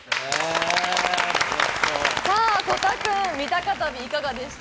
さぁ、曽田君、三鷹旅いかがでした？